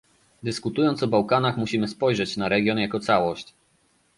Dyskutując o Bałkanach musimy spojrzeć na region jako całość